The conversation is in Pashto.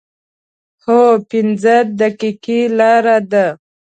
هو، پنځه دقیقې لاره ده